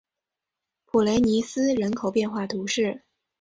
普雷尼斯人口变化图示